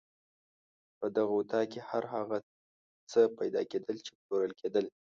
په دغه اطاق کې هر هغه څه پیدا کېدل چې پلورل کېدل.